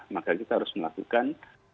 maka kita harus melakukan sepuluh lima ratus